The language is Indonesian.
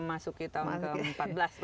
masuk kita ke empat belas